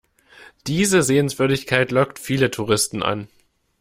Diese Sehenswürdigkeit lockt viele Touristen an.